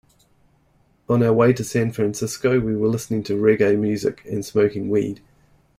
On our way to San Francisco, we were listening to reggae music and smoking weed.